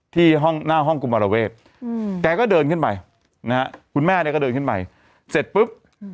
ที่ห้องหน้าห้องกุมารเวศแกก็เดินขึ้นไปนะฮะคุณแม่เนี่ยก็เดินขึ้นไปเสร็จปุ๊บ